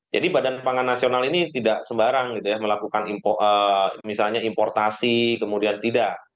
jadi badan pangan nasional ini tidak sembarang melakukan misalnya importasi kemudian tidak